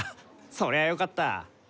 そりゃよかった！